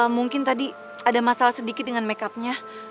mungkin tadi ada masalah sedikit dengan makeupnya